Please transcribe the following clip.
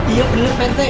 iya bener pak rt